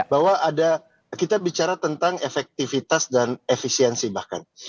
bahwa ada kita bicara tentang efektivitas dan efisiensi bahkan